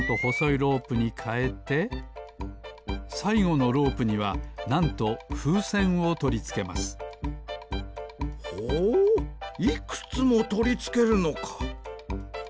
ロープにかえてさいごのロープにはなんとふうせんをとりつけますほういくつもとりつけるのか。